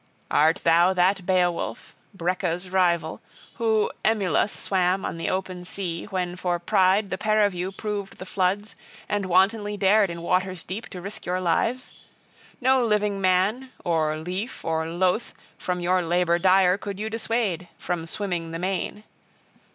"Art thou that Beowulf, Breca's rival, who emulous swam on the open sea, when for pride the pair of you proved the floods, and wantonly dared in waters deep to risk your lives? No living man, or lief or loath, from your labor dire could you dissuade, from swimming the main.